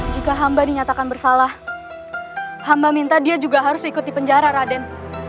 jika hamba dinyatakan bersalah hamba minta dia juga harus ikut di penjara raden